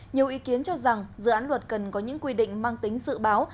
nhiều ý kiến cho rằng dự án luật cần có những quy định mang tính dự báo